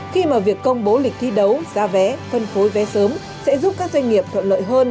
khi mà việc công bố lịch thi đấu giá vé phân phối vé sớm sẽ giúp các doanh nghiệp thuận lợi hơn